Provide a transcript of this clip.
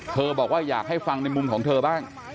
บอกว่าอยากให้ฟังในมุมของเธอบ้าง